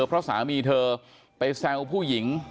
เพราะสามีเธอไปแซวผู้หญิง